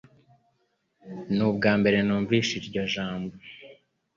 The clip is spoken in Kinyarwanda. Nubwambere numvise iryo jambo